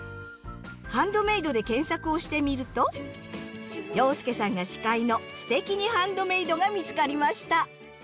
「ハンドメイド」で検索をしてみると洋輔さんが司会の「すてきにハンドメイド」が見つかりました。